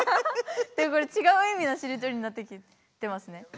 これ違う意味のしりとりになってきてますね。